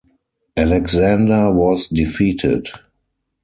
Alexander was defeated.